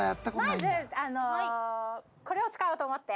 まずこれを使おうと思って。